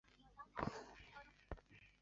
母祝氏。